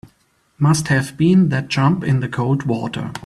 Must have been that jump in the cold water.